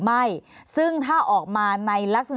ภารกิจสรรค์ภารกิจสรรค์